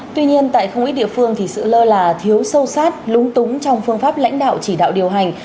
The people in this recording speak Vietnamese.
tuy nhiên tại không ít địa phương thì sự lơ là thiếu sâu sát lúng túng trong phương pháp lãnh đạo chỉ đạo điều hành